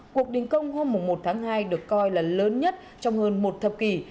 cuộc đình công hôm một tháng hai được coi là lớn nhất trong hơn một thập kỷ